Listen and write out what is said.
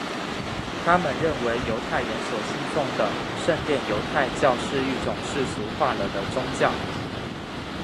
他们认为犹太人所信奉的圣殿犹太教是一种世俗化了的宗教。